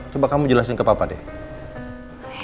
coba kamu jelasin ke papa deh